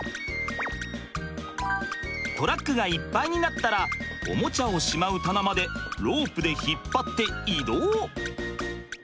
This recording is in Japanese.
トラックがいっぱいになったらおもちゃをしまう棚までロープで引っ張って移動！